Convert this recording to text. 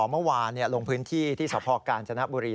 เมื่อวานลงพื้นที่ที่สพกาญจนบุรี